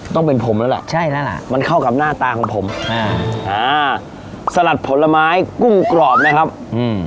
ต้องเป็นผมแล้วล่ะใช่แล้วล่ะมันเข้ากับหน้าตาของผมอ่าอ่าสลัดผลไม้กุ้งกรอบนะครับอืม